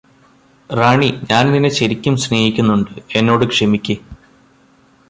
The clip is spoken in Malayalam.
റാണി ഞാന് നിന്നെ ശരിക്കും സ്നേഹിക്കുന്നുണ്ട് എന്നോട് ക്ഷമിക്ക്